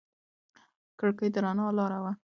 کړکۍ د رڼا لاره وه.